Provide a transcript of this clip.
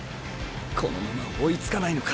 このまま追いつかないのか！！